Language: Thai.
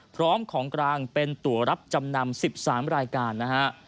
พร้อมของกลางเป็นตัวรับจำนำ๑๓รายการนะฮะ